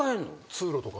通路とか。